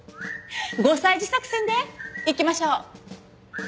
５歳児作戦でいきましょう。